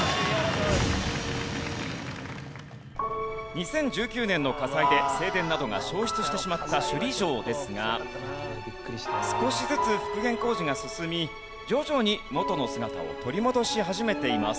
２０１９年の火災で正殿などが焼失してしまった首里城ですが少しずつ復元工事が進み徐々に元の姿を取り戻し始めています。